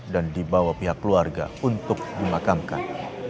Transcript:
dan dibawa pihak keluarga untuk dimakamkan